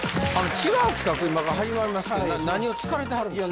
違う企画今から始まりますけど何を疲れてはるんですか？